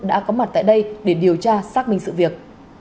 đã có mặt tại đây để điều tra xác minh sự việc